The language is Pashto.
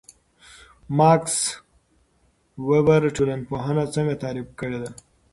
ماکس وِبر ټولنپوهنه څنګه تعریف کړې ده؟